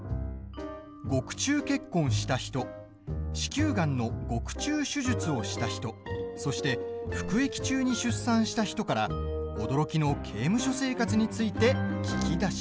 獄中結婚した人子宮がんの獄中手術をした人そして服役中に出産した人から驚きの刑務所生活について聞き出します。